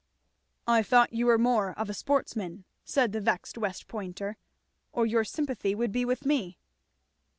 "I thought you were more of a sportsman," said the vexed West Pointer, "or your sympathy would be with me."